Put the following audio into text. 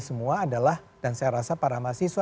semua adalah dan saya rasa para mahasiswa